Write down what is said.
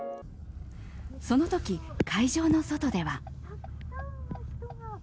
そのとき、会場の外では。